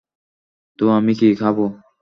তো আমি কী খাবো?